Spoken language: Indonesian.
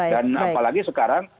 dan apalagi sekarang